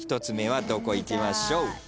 １つ目はどこいきましょう？